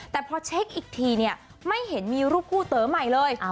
แต่พอเช็คอีกทีเนี่ยไม่เห็นมีรูปคู่เต๋อใหม่เลย